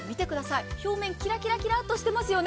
表面キラキラっとしてますよね。